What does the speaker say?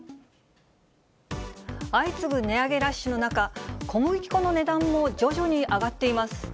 相次ぐ値上げラッシュの中、小麦粉の値段も徐々に上がっています。